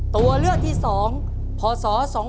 ตัวเลือกที่๒พศ๒๕๖